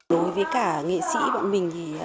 đối với cả nghệ sĩ bọn mình